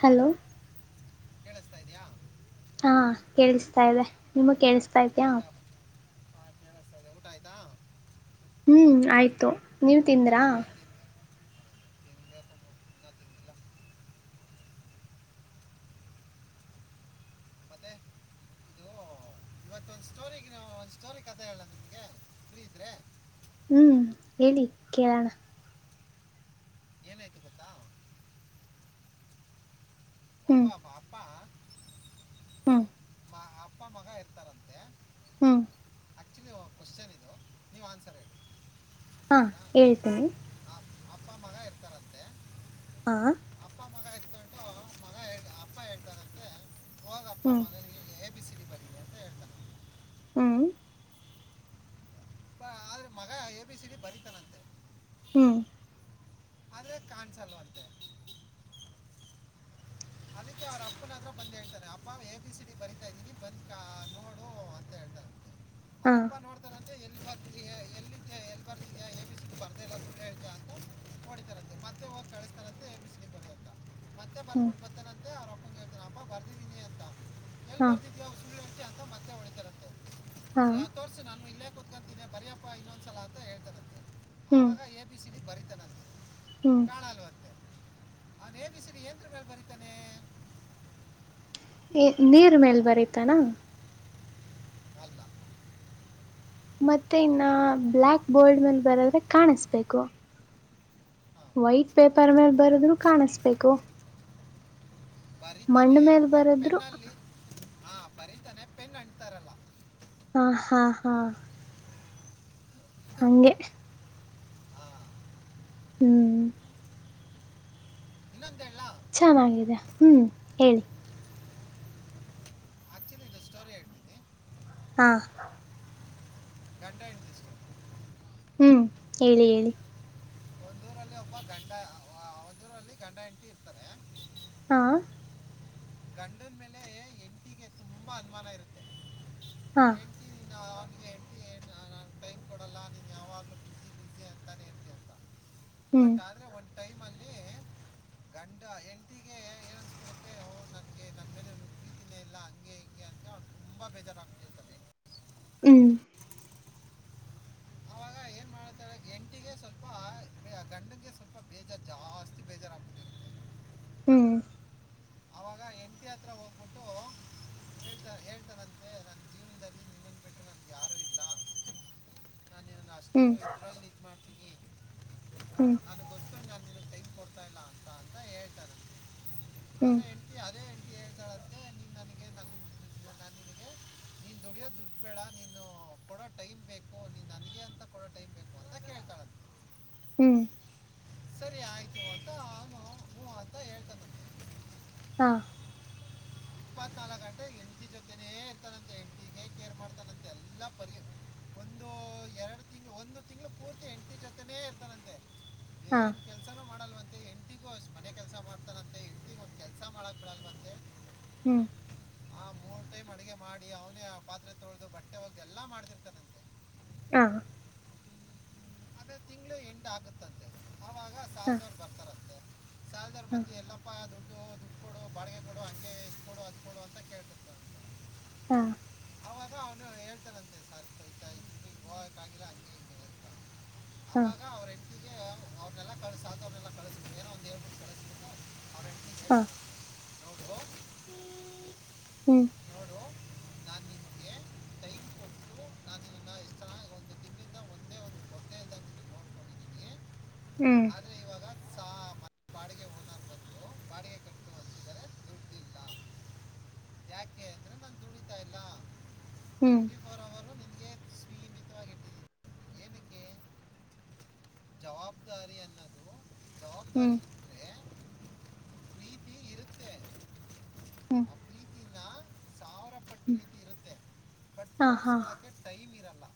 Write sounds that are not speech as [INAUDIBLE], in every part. Hello ಕೇಳಿಸತಾ ಇದ್ಯಾಾ ಹಾ ಕೇಳಿಸ್ತಾ ಇದೆ ನಿಮ ಕೇಳಿಸ್ತಾ ತಯ ಹಾ ಕೇಳ್ತದೆ ಊಟ ಆಯ್ತಾ ಹ್ಮ್ ಆಯ್ತು ನೀವ ತಿಂದ್ರಾ ಹ ತೆಂಗ ಸಂಭ ತೆಂಗಿಲ್ಲ ಮತ್ತೆ ಇದು ಓ ಇವತ್ತೊಂದ್ ಸ್ಟೋರಿಗ್ ಒಂದ್ ಸ್ಟೋರಿ ಕದ ಹೇಳಲ್ಲ ನಿಮ್ಗೆ ಫೀ ಇದ್ರೆ ಹ್ಮ್ ಹೇಳಿ ಕೇೇಳೋಣ ಏನ್ ಆಯ್ತು ಗೊತ್ತಾ ಹ್ಮ್ ಅಪ್ಪಾಪ ಅಪ್ಪಾ ಹ್ಮ್ ಅಪ್ಪ ಮಗ ಇರ್ತಾರಂತೆ ಹ್ಮ್ ಆಕ್ಚುಲಿ ಕ್ವಶ್ನ್ ಇದೆ ನೀವ್ ಆನ್ಸರ್ ಹೇಳಿ ಹಾ ಹೇಳ್ತೀನಿ ಅಪ್ಪಮ್ಮಗ ಇರ್ತಾರಂತೆೆ ಆಾ ಮಗ ಹಳ್ ಅಪ್ಪ ಹೇಳ್ತಾರಂತೆ ಹೋಗಪ್ಪ ಹ್ಮ್ ಮಗನ ಹ್ಮ್ ಬ ಆದ್ರೆ ಮಗ ಎಬ ಸಿ ಡಿ ಬರತಾನಂತೆ ಹ್ಮ್ ಅದೇ ಕಾಣಸಲ್ವಂತೆ ಅದಕ್ಕೆ ಅವ್ರ ಅಪ್ಪನತ್ರ ಬಂದ್ ಹೇಳ್ತಾರೆ ಅಪ್ಪ ಎ ಪಿ ಸಿಟಿ ಬರಿತಾ ಇದ್ದೀನಿ ಬಂದ್ ಕ ನೋಡು ಅಂತ ಹೇಳ್ತಾರೆ ಹಾ ಅವಾರಪ್ಪ ನೋಡ್ತಾರ ಅಂತೆ ಎಲ್ ಬರ್ ರೀತಿ ಎಲ್ಲಿಿದ್ದ ಎಲ್ ಬರ್ ರೀತಿೇ ಬರ್ದ ಇಲ್ಲ ಅಂತ ಹೇಳ್ತಾರೆ ಅಂತ ನೋಡಿತಾರಂತೆ ಮತ್ತೆ ಹದಿ ಕಳಸ್ತಾರಂತೆ ಬಿಸ ಬ ಅಂತ ಮತ್ತೆ ಹ್ಮ್ ಬರ್ಬಿಟ್ಟು ಅವ್ರೊಪ್ಪಂಗ ಹೇಳ್ತನ ಅಬ್ ಬರ್ದಿದೀನಿ ಅಂತ ಎಲ್ಲಿ ಹಾ ಬರ್ದಿದ್ಯಾಷ ಹಾ ತೋರ್ಸು ನಾನು ಇಲ್ಲೇ ಕುೂತ್ಕಂತನನೆ ಬರಿಯಪ್ಪ ಇನ್ನೊಂದ್ಸಲ ಅಂತ ಹೇಳ್ತಾರಂತೆ ಹ್ಮ್ ಆಾಗ ಎಬಿಸಿ ಪರೀಕ್ಷ ಹ್ಮ್ ಕಾಣಲು ಅತ್ತೆ ಅದು ಎಬಿಸಿರಿ ಯಂತ್ರಗಳು ಬರಿೀತ ನೀರ್ ಮೇಲ್ ಬರೀತಾನ ಅಲ್ಲ ಮತ್ತೆ ಇನ್ನ ಬ್ಲ್ಯಾಕ್ ಬೋರ್ಡ್ ಮೇಲೆ ಬರದ್ರೆ ಕಾಣಿಸಬೇಕು ಹಾ. ವೈಟ್ ಪೇಪರ್ ಮೇಲೆ ಬರದ್ೂ ಕಾಣಸ್ಬೇಕು ಬರೀತಾನೆ ಮಣ್ಣ್ಮೇಲ್ ಬಟ್ ಬರದ್ರು ಪೆನ್ನಲ್ಲಿ ಹಾ ಬರೀತಾನೆ ಪೆಂಗ ಅಂ್ತಾರಲ್ಲ ಹಾ ಹಾ ಹಾ ಹಗೆ ಹಾ ಹ್ಮ್ ಇನ್ನೊಂದ ಹೇಳ ಚೆನ್ನಾಗಿದೆ ಹ್ಮ್ ಹೇಳಿ ಆಕ್ಚುಲಿ ಇದು ಸ್ಟೋರಿ ಆತತಿ ಹಾ ಗಂಟ ಎಂಡಷ್ಟ ಹ್ಮ್ ಹೇಳಿ ಹೇಳಿ ಲ್ಲಿ ಒಬ್ಬ ಗಂಡ ಒಂದುೂರಲ್ಲಿ ಗಂಡ ಎಂಟಿ ಇರ್ತಾರೆ ಹಾ ಗಂಡನ್ ಮೇಲೆ ಎಂಟಿಗೆ ತುಂಬಾ ಅನುಮಾನ ಇರುತ್ತೆ ಹಾ ಅವ ಹಳ್ತಿ ಏನ್ ನಾನನ್ ಟೈಮ್ ಕೊಡಲ್ಲ ಯಾವಾಗ್ಲೂ ಕಸ ಿಸಿ ಅಂತಾನೇ ಹೇಳ್ತಿ ಅಂತ ಹ್ಮ್ ಬಟ್ ಆದ್ರೆ ಒಂದು ಟೈಮ್ಲ್ಲಿ ಗಂಡ ಎಂಟಿಗೆಏೆ ನನ್ಗೆ ನನ್ನ ತಿನ ಇಲ್ಲ ಹಂಗೆ ಹಿಂಗೆ ಹಂಗೆ ಅವ್ ತುಂಬಾ ಬೇಜಾರಾಗ್ತಿರ್ತದೆ [INAUDIBLE] ಹ್ಮ್ ಆವಾಗ ಏನು ಮಾಡ್ತಾಳೆ ಹೆಂಡತಿಗೆ ಸ್ವಲ್ಪ ಬೇ- ಗಂಡಂಗೆ ಸ್ವಲ್ಪ ಬೇಜಾರು ಜಾಸ್ತಿ ಬೇಜಾರಾಗ್ಬಿಟ್ಟಿರುತ್ತೆ ಹ್ಮ್ ಆವಾಗ ಹೆಂಡತಿ ಹತ್ರ ಹೋಗ್ಬಿಟ್ಟು ಹೇಳ್ತಾ ಹೇಳ್ತಾನಂತೆ ನನ್ನ ಜೀವನದಲ್ಲಿ ನಿನ್ನನ್ನು ಬಿಟ್ಟರೆ ನನಗೆ ಯಾರೂ ಇಲ್ಲ ನಾನು ನಿನ್ನನ್ನು ಅಷ್ಟು ಹ್ಮ್ [INAUDIBLE] ಇದರಲ್ಲಿ ಇದು ಮಾಡ್ತೀನಿ ಹ್ಮ ನನಗೆ ಗೊತ್ತು ನಾನು ನಿನಗೆ ಟೈಮ್ ಕೊಡ್ತಾ ಇಲ್ಲ ಅಂತ ಅಂತ ಹೇಳ್ತಾನಂತೆ ಹ್ಮ ಆದರೆ ಹೆಂಡ್ತಿ ಅದೇ ಹೆಂಡ್ತಿ ಹೇಳ್ತಾಳಂತೆ ನೀನು ನನಗೆ ನನ್ನ ನಾನು ನಿನಗೆ ನೀನು ದುಡಿಯೋ ದುಡ್ಡು ಬೇಡ ನೀನು [INAUDIBLE] ಟೈಮ್ ಬೇಕು ನೀನು ನನಗೆ ಅಂತ ಕೊಡೋ ಟೈಮ್ ಬೇಕು ಅಂತ ಕೇಳ್ತಾಳಂತೆ ಹ್ಮ್ ಸರಿ ಆಯ್ತು ಆತ ಹ ಆತ ಹೇಳ್ತ [INAUDIBLE] ಹಾ ಇಪ್ಪತ್ನಾಾಲ್ಕು ಗಂಟೆ ಎಂಟಿ ಜೊತೆೇ ಇರ್ತಾನಂತೆ ಎಂಟ ಕೇರ್ ಮಾಡ್ತಾನಂತೆ ಎಲ್ಲ ಪರಿ [INAUDIBLE] ಎರಡು ತಿಂಗಳು ಒಂದು ತಿಂಗಳು ಪೂರ್ತಿ ಎಂಟು ಜೊತ್ತನೇ ಇರ್ತಾನಂತೆ ಹಾ ಏನು ಕೆಲಸನೂ ಮಾಡಲ್ವಂತೆ ಹೆಂಡ್ತಿಗೂ ಅಷ್ಟ್ ಮನೆ ಕೆಲಸ ಮಾಡ್ತಾನಂತೆ ಹೆಂಡ್ತಿಗೆ ಒಂದು ಕೆಲಸ ಮಾಡಕ್ಕೆ ಬಿಡಲ್ವಂತೆ ಹ್ಮ್ ಆ ಮೂರು ಟೈಮ್ ಅಡುಗೆ ಮಾಡಿ ಅವನೇ ಪಾತ್ರೆ ತೊಳ್ದದು ಬಟ್ಟೆ ಹೋಗ್ದು ಎಲ್ಲಾ ಮಾಡ್ತಿರ್ತಾನಂತೆ ಹಾ ಅದೇ ತಿಂಗಳು ಎಂಡ್ ಆಗುತ್ತಂತೆ ಹಾ ಸಾಲಲ್ದಾರ್ ಹಾ ಬಂದಿ ಎಲ್ಲಪ್ಪ ದುಡ್ಡು ಇದು ದುಡ್ಡು ಕೊಡು ಬಾಡಿಗೆ ಕೊಡು ಹಾಗಂಗೆ ಇ ಕೊಡು ಅದು ಕೊಡು ಅಂತ ಕೇಳ್ತತ ಹಾ ಅವವಾಗ ಅವನು ಹೇಳ್ತಾರಂತೆೆ ಸಾರ್ ಸತಾ ಇ ಹೋಗಕ್ಕಾಗಿಲ್ಲ ಹಂಂತ [UNINTELLIGIBLE] ಹಾ ಅವ್ರನ್ನೆಲ್ಲ ಕಳಿಸ್ ಸಾಲದವ್ರನ್ನೆಲ್ಲ ಕಳಿಸ್ಬಿಟ್ಟು ಏನೋ ಒಂದು ಹೇಳ್ಬಿಟ್ಟು ಕಳಿಸ್ಬಿಟ್ಟು ಅವ್ರ ಹೆಂಡತಿಗೆ ಹಾ ಹೇಳ್ತಾನಂತೆ ನೋಡು ಹ್ಮ್ ನೋಡು ನಾನು ನಿಮಗೆ ಟೈಮ್ ಕೊಟ್ಟು ನಾನು ನಿನ್ನ ಚೆನ್ನಾಗಿ ಒಂದು ತಿಂಗಳಿಂದ ಒಂದೇ ಒಂದು ಕೊರತೆ ಇಲ್ದಂಗೆ ನಿನ್ನ ನೋಡ್ಕೊಂಡಿದ್ದೀನಿ ಹ್ಮ್ ಆದರೆ ಇವಾಗ ಸಾ ಮನೆ ಬಾಡಿಗೆ ಓನರ್ ಬಂದು ಬಾಡಿಗೆ ಕಟ್ಟು ಅಂತಿದ್ದಾರೆ ದುಡ್ಡಿಲ್ಲ ಯಾಕೆ ಅಂದರೆ ನಾನು ದುಡಿತಾ ಇಲ್ಲ ಹ್ಮ್ ಟ್ವೆಂಟಿ ಫೋರ್ ಅವರು ನಿನಗೆ ಸೀಮಿತವಾಗಿ ಇಟ್ಟಿದ್ದೀನಿ ಏನಕ್ಕೆ ಜವಾಬ್ದಾರಿ ಅನ್ನೋದು ಹ್ಮ್ ಜವಾಬ್ದಾರಿ ಇದ್ದರೆ ಪ್ರೀತಿ ಇರುತ್ತೆ ಆ ಪ್ರೀತಿನ ಸಾವಿರ ಪಟ್ಟು ಹ್ಮ ಹಾ ಹಾ ಕ್ಕೆ ಟೈಮ್ ಇರೋಲ್ಲ.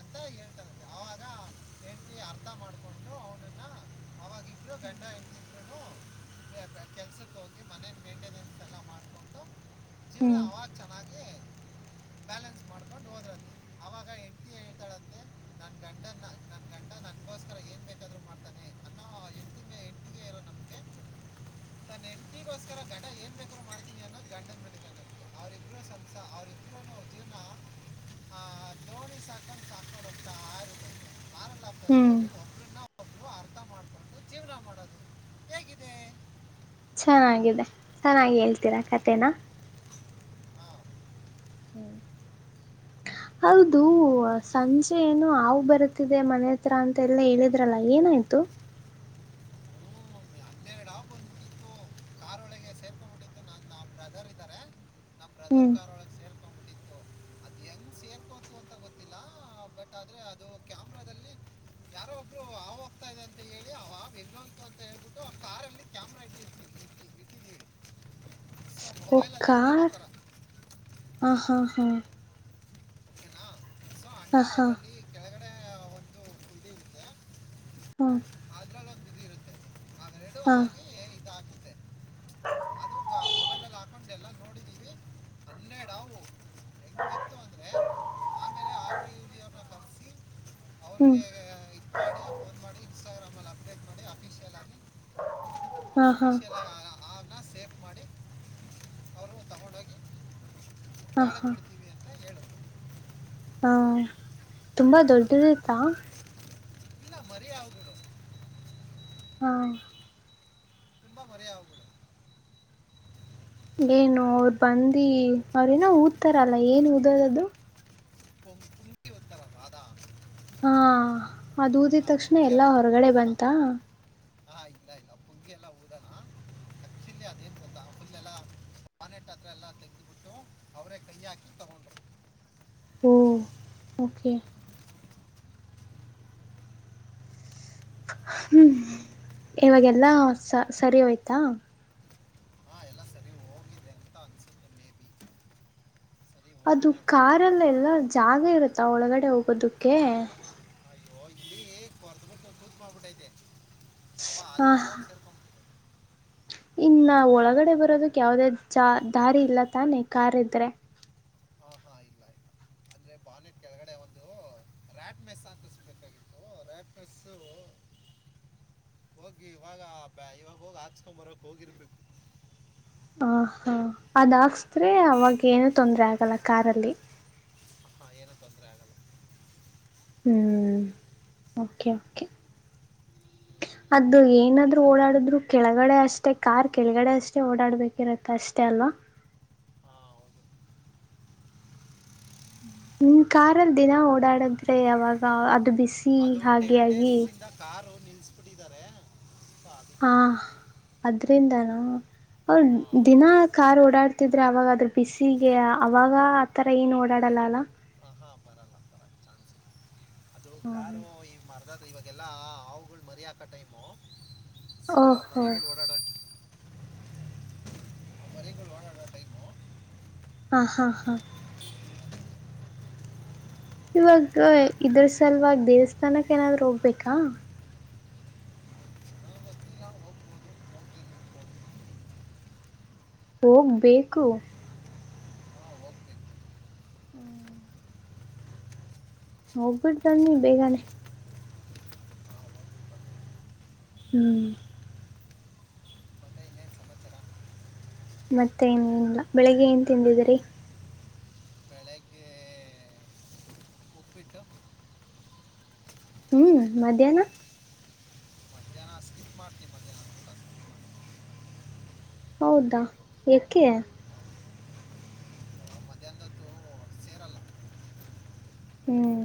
ಅಂತ ಹೇಳ್ತ ಯಾಗ ಹೇಳ್ತಿ ಅರ್ಥ ಮಾಡ್ಕೊಂಡು ಅವನ [INAUDIBLE] ಹ್ಮ್ ಕೆಲ್ಸಕ್ಕೆ ಹೋಗಿ ಮನೆ ಮೇಂಟೆನೆನ್ಸ್ ಎಲ್ಲ ಮಾಡಿಕೊಂಡು ಜೀವನ ಹ್ಮ್ ಅವಾಗ ಚೆನ್ನಾಗಿ ಬ್ಯಾಲೆನ್ಸ್ ಮಾಡ್ಕೊಂಡು ಹೋದ್ರಂತೆ ಆವಾಗ ಹೆಂಡತಿ ಹೇಳ್ತಾಳಂತೆ ನನ್ನ ಗಂಡನ ನನ್ನ ಗಂಡ ನನಗೋಸ್ಕರ ಏನು ಬೇಕಾದರೂ ಮಾಡ್ತಾನೆ ಅನ್ನೋ ಹೆಂಡತಿ ಮೇ ಹೆಂಡತಿಗೆ ಇರೋ ನಮಗೆ ತನ್ನ ಹೆಂಡತಿಗೋಸ್ಕರ ಗಂಡ ಏನು ಬೇಕಾದ್ರೂ ಮಾಡ್ತೀನಿ ಅನ್ನೋದು ಗಂಡನ ಮೇಲೆ ಗಂಡ ಅವರಿಬ್ಬರು ಸಂಸಾರ ಅವರಿಬ್ಬರೂ ಜೀವನ ಆ, ದೋಣಿ ಸಾಕೊಂಡು ಸಾಕೊಂಡು ಹೋಗ್ತಾ ಇರುತ್ತೆ ಆರಲ್ಲ ಹ್ಮ್ ಫಸ್ಟಲ್ಲಿ ಒಬ್ರನ್ನ ಒಬ್ರು ಅರ್ಥ ಮಾಡ್ಕೊಂಡು ಜೀವನ ಮಾಡೋದು ಹೇಗಿದೆ ಚೆನ್ನಾಗಿದೆ ಚೆನ್ನಾಗಿ ಹೇಳ್ತೀರಾ ಕಥೇನ ಆ, ಹ್ಮ್ [UNINTELLIGIBLE] ಹೌದು ಸಂಜೆ ಏನು ಆವು ಬರುತ್ತಿದೆ ಮನೆ ಹತ್ರ ಅಂತ ಎಲ್ಲ ಹೇಳಿದ್ರಲ್ಲ ಏನಾಯ್ತು [UNINTELLIGIBLE] ಇೇ ನಾವ ಬಂದ್ಬಿಟ್ಟಿತ್ತು ಕಾರಾರ್ಳಗೆ ಸೇರ್ಕೊಂಡ್ಬಿಟ್ಟಿು ನ ನ ಬ್ರದರ್ ಇದ್ದಾರೆ ನಮ್ಮ [INAUDIBLE] ಹ್ಮ್ ಕಾರೊಳಗೆ ಸೇರ್ಕೊಂಡ್ಬಿಟ್ಟಿತ್ತು ಅದು ಹೆಂಗ್ ಸೇರ್ಕೋತು ಅಂತ ಗೊತ್ತಿಲ್ಲ ಬಟ್ ಆದ್ರೆ ಅದು ಕ್ಯಾಮ್ರಾದಲ್ಲಿ ಯಾರೊಬ್ಬರು ಆಾವ ಹೋಗ್ತಾ ಇದೆ ಅಂತ ಹೇಳಿ ಆಾವ ಎಂತು ಅಂತ ಹೇಳ್ಬಿಟ್ಟು ಆ ಕಾರಾರ್ ಅಲ್ಲಿ ಕ್ಯಾಮ್ರಾ ಇಟ್ಟರ್ತಿ [INAUDIBLE] ಹೇಳಿ [INAUDIBLE] [UNINTELLIGIBLE] ಕಾರ ಹಾ ಹಾ ಹಾ [INAUDIBLE] ಓಕೆನಾ ಸೊ ಅಂಡರ್ ಹ್ಮ ಅದರಲ್ಲಿ ಕೆಳಗಡೆ ಒಂದು ಇದು ಇರುತ್ತೆ ಹ್ಮ ಅದ್ರಲ್ಲಿ ಒಂದು ಇದು ಇರುತ್ತೆ ಅವೆರಡು ಹಾ ಆಗಿ ಇದಾಗುತ್ತೆ ಕಕೊಂಡೆಲ್ಲ ನೋಡಿದ್ದೀವಿ ಹನ್ನೆರಡು ಹಾವು ಹೆಂಗಿತ್ತು ಅಂದರೆ ಹ ಕರ್ಸಿ [INAUDIBLE] ಹ್ಮ್ [INAUDIBLE] ಮಾಡಿ ಇನ್ಸ್ಟಾಗ್ರಾಮಲ್ಲಿ ಅಪ್ಡೇಟ್ ಮಾಡಿ ಅಫಿಷಿಯಲ್ ಹಾ ಹಾ [INAUDIBLE] ಎಲ್ಲ ಆನ ಸೇಫ್ ಮಾಡಿ ಅವರು ಹಾ ಕಾಲ್ ಹಾ ಕಟ್ ಅಂದ್ರೆ ಹೇಳು ಹಾ ತುಂಬಾ ದೊಡ್ಡದೈತಾ ಎಲ್ಲ ಮರಿ ಅವುಗಳು ಹ್ಮ ತುಂಬಾ ಮರೆಯಾಗಲು ಏನು ಅವರು ಬಂದಿ ಅವ್ರ ನ ಊದತಾರಲ್ಲ ಏನ್ ಊದೋದದ್ದದು. ಪುಂಗಿ ಉತ್ತರ ರಾಧಾ ಹಾ ಅದೂದಿದ ಆ ತಕ್ಷಣ ಎಲ್ಲಾ ಹೊರಗಡೆ ಬಂತ ಹಾ ಇಲ್ಲ ಇಲ್ಲ ಪುಗೆ ಎಲ್ಲ ಓಡೋಣ ಆಕ್ಚುಲಿ ಅದೇನ್ ಗತ್ತ ಪುಲ್ಲೆಲ್ಲ ಪಾನೆಟ್ಟ ಹತ್ರ ಎಲ್ಲ ತೆಗೆದುಬಿಟ್ಟು ಅವರೇ ಕೈಯ ಹಾಕಿ ತಗೊಂಡರು ಓ ಓಕೆ ಹ್ಮ್ ಇವಾಗೆಲ್ಲಾ ಸ ಸರಿ ಹೋಯ್ತಾ. ಹಾಂ ಎಲ್ಲ ಸರಿ ಹೋಗಿದೆ ಅಂತ ಅನಿಸುತ್ತೆ ಮೇ ಬಿ ಸರಿ ಅದು ಹೋಗಿದೆ ಅನಿಸುತ್ತೆ ಕಾರಲ್ಲ ಎಲ್ಲ ಜಾಗ ಇರುತ್ತಾ ಒಳಗಡೆ ಹೋಗೋದಕ್ಕೆ. ಅಯ್ಯೋ ಇಲ್ಲಿ ಕೊರ್ದ್ಬಿಟ್ಟು ತೂತ್ ಮಾಡಿಬಿಟ್ಟೈತೆ ಅವ ಹಾ ಅಲ್ಲಿ ಹೋಗಿ ಸೇರ್ಕೊಂಡ್ಬಿಟ್ಟು ಇನ್ನ ಒಳಗಡೆ ಬರೋದಕ್ ಯಾವದೇ ಜಾ ದಾರಿ ಇಲ್ಲ ತಾನೆ ಕಾರ್ ಇದ ಇದ್ರೆ ಆಹಾ ಇಲ್ಲ ಇಲ್ಲ ಅಂದ್ರೆ ಬಾನೆಟ್ ಕೆಳಗಡೆ ಒಂದು ರಾಟ್ಮೆಸ್ ಅಂತಿಸಬೇಕಾಗಿತ್ತು ರಾಟ್ಮೆಸ್ ಹೋಗಿ ಇವಾಗ ಬ ಇವಾಗ ಹೋಗ ಹಾಚ್ಕೊ ಬರಕ್ ಹೋಗಿರ್ಬೇಕು ಹ ಹಾ ಅದ್ ಹಾಕ್ಸ್ರೆ ಅವಾಗ ಏನು ತೊಂದ್ರೆ ಆಗಲ್ಲ ಕಾರಲ್ಲಿ ಹಾಂ ಏನೂ ತೊಂದರೆ ಆಗಲ್ಲ ಹ್ಮ್ ಕೆ ಕೆ ಹ್ಮ ಅದ ಏನಾದ್ ಓಡಾಡಿದ್ರು ಕೆಳಗಡೆ ಅಷ್ಟೇ ಕಾರ್ ಕೆಳಗಡೆ ಅಷ್ಟೇ ಓಡಾಡ್ಬೇಕಿರತ್ತೆ ಅಷ್ಟೇ ಅಲ್ಲ. ಅಲ್ಲ ಹಾ, ಹೌದು. ನಿಮ ಕಾರಲ್ ದಿನ ಓಡಾಡದ್ರೆ ಯಾವಾಗ ಅದು ಬಿಸಿ ಅದು ಹಾಗೆ ಟೆನ್ ಡೇಸ್ ಆಗಿ ಇಂದ ಕಾರು ನಿಲ್ಸ್ಬಿಟ್ಟಿದ್ದಾರೆ. ಹಾ ಅದಕ್ಕೆ ಅದ್ರಿಂದಾನೂ ಅವ ಹಾಂ ದಿನಾ ಎಸ್ ಕಾರ್ ಓಡಾಡ್ತಿದ್ರೆ ಅವಾಗ ಅದ್ರ ಬಿಸಿಗೆ ಅವಾಗ ಆತರ ಏನ್ ಓಡಾಡ ಲ್ಲಾ ಲಾ ಹಾಂ ಬರಲ್ಲ ಕರೆಕ್ಟ್ ಚಾನ್ಸ್ ಹ್ಮ ಹ ಅದಾದ್ರೆ ಇವಾಗೆಲ್ಲ ಹವುಗಳು ಮರಿ ಹಾಕೋ ಟೈಮು ಸೊ ಆ ಓಹೋ ಮರಿಗಳು ಓಡಾಡ ಓಡಾಡೋ ಟೈಮು ಹಾ ಹಾ ಹಾ ಇವಾಗ ಇದ್ರ ಸಲ್ವಾಗ ದೇವಸ್ಥಾನಕ್ಕೆ ಏನಾದ್ರು ಹೋಗ್ಬೇಕಾ ಗೊತ್ತಿಲ್ಲ ಹೋಗ್ಬೋದು ಹೋಗ್ಬೇಕು ಹೋಗ್ಬೇಕು ಹಾಂ ಹೋಗ್ಬೇಕು ಹ್ಮ್ ಹೋಗ್ಬಿಟ್ಟ ಬನ್ನಿ ಬೇಗನೆ ಹಾಂ ಹೋಗ್ಬೇಕು ಹ್ಮ್ ಮತ್ತೆ ಇನ್ನೇನು ಸಮಾಚಾರ ಮತ್ತೆನ ಇನ್ಲ್ಲ ಬೆಳಿಗ್ಗೆ ಏನ್ ತಿಂದಿದಿರಿ ಬೆಳಿಗ್ಗೆ... ಉಪ್ಪಿಟ್ಟು ಹ್ಮ್ ಮಧ್ಯಾಹ್ನ ಮಧ್ಯಾಹ್ನ ಸ್ಕಿಪ್ ಮಾಡ್ತೀನಿ ಮಧ್ಯಾಹ್ನ ಊಟ ಹೌದಾ ಏಕೆ ಮಧ್ಯಾಹ್ನದ್ದು ಸೇರಲ್ಲ ಹ್ಮ್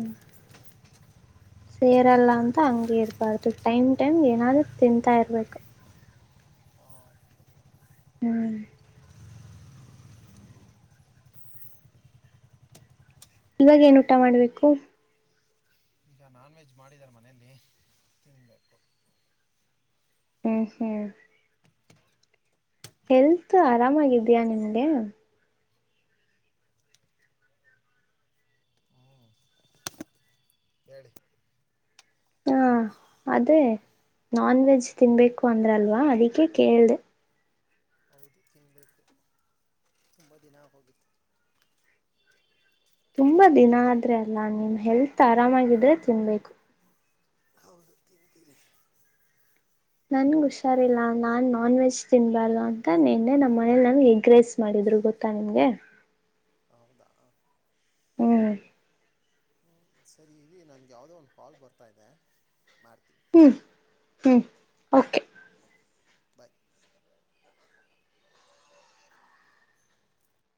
ಸೇರಲ್ಲ ಅಂತ ಹಂಗಗೆ ಇರ್ಬಾರ್ದು ಟೈಮ್ ಟೈಮ್ ಏನಾದರೂ ತಿನ್ಂತಾ ಇರ್ಬೇಕು ಆ, ಹಾ ಇವಾಗ ಏನ್ ಊಟ ಮಾಡ್ಬೇಕು ಈಗ ನಾನ್ ವೆಜ್ ಮಾಡಿದ್ದಾರೆ ಮನೆಯಲ್ಲಿ ತಿನ್ನಬೇಕು ಹ್ಮ್ ಹ್ಮ್ ಹೆಲ್ತ್ ಆರಾಮಾಗಿದಯಾ ನಿನ್ಗೆ ಹ್ಞೂ ಹೇಳಿ ಹಾ ಅದೇ ನಾನ್ ವೆಜ್ ತಿನ್ಬೇಕು ಅಂದ್ರಲ್ವಾ ಅದಕ್ಕೆ ಕೇಳ್ದ ಹೌದು ತಿನ್ನಬೇಕು ತುಂಬ ದಿನ ಹೋಗಿತ್ತು ತುಂಬಾ ದಿನ ಆದ್ರೆ ಅಲ್ಲ ನಿಮ್ ಹೆಲ್ತ್ ಆರಾಮಾಗಿದ್ರೆ ತಿನ್ಬೇಕು ಹೌದು ತಿಂತೀರಿ ನನ್ಗ್ ಹುಷಾರಿಲ್ಲ ನಾನ್ ನಾನ್ ವೆಜ್ ತಿನ್ಬಾರ್ದು ಅಂತ ನಿನ್ನೆ ನಮ್ಮ ಮನಲಿ ನನ್ಗೆ ಎಗ್ರೇಸ್ ಮಾಡಿದ ಅ್ರೂ ಗೊತ್ತಾ ನಿಮ್ಗೆ ಹೌದಾ ಹ್ಮ್ ಸರಿ ಇಲ್ಲಿ ನನ್ಗೆ ಯಾವುದೋ ಒಂದು ಹಾಲ್ ಬರ್ತಾ ಇದೆ ಮಾಡ್ತ ಹ್ಮ್ ಹ್ಮ್ ಕೆ ಬಾಯ